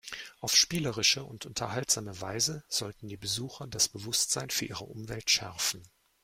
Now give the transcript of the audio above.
Auf spielerische und unterhaltsame Weise sollten die Besucher das Bewusstsein für ihre Umwelt schärfen.